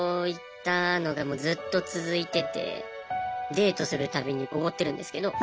デートするたびにおごってるんですけど。